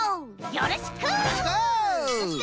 よろしく！